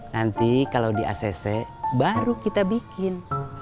nanti kalau di acc baru kita bikin